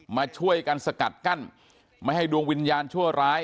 มาช่วยกันสกัดกั้นไม่ให้ดวงวิญญาณชั่วร้าย